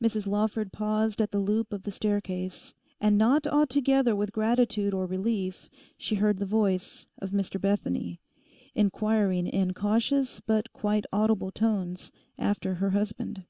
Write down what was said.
Mrs Lawford paused at the loop of the staircase; and not altogether with gratitude or relief she heard the voice of Mr Bethany, inquiring in cautious but quite audible tones after her husband.